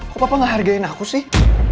kok papa gak hargain aku sih